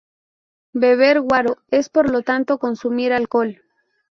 Beber guaro, es por lo tanto, consumir alcohol.